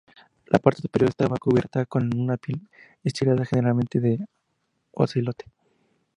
La parte superior estaba cubierta con una piel estirada, generalmente de ocelote.